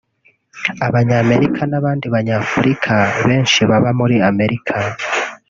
abanyamerika n'abandi banyafrika benshi baba muri Amerika